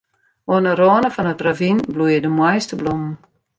Oan 'e râne fan it ravyn bloeie de moaiste blommen.